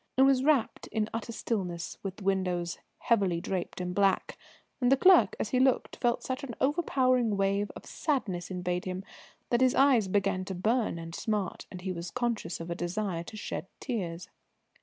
It was wrapped in utter stillness, with windows heavily draped in black, and the clerk, as he looked, felt such an overpowering wave of sadness invade him that his eyes began to burn and smart, and he was conscious of a desire to shed tears.